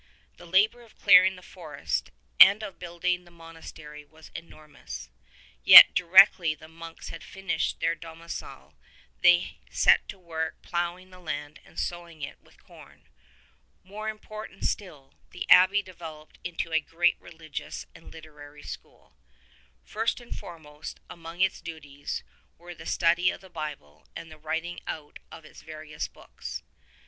The labor of clearing the forest and of building the monas tery was enormous; yet directly the monks had finished their domicile they set to work ploughing the land and sowing it with corn. More important still, the abbey developed into a great religious and literary school. First and foremost among its duties were the study of the Bible and the writing out of its various books.